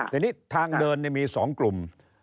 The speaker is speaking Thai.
แต่นี่ทางเดินมี๒กลุ่ม